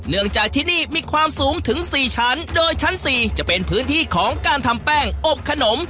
เนื่องจากที่นี่มีความสูงถึง๔ชั้นโดยชั้น๔จะเป็นพื้นที่ของการทำแป้งอบขนม